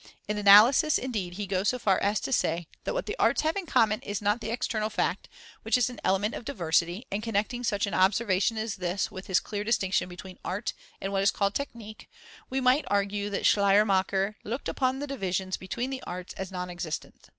In analysis, indeed, he goes so far as to say that what the arts have in common is not the external fact, which is an element of diversity; and connecting such an observation as this with his clear distinction between art and what is called technique, we might argue that Schleiermacher looked upon the divisions between the arts as non existent.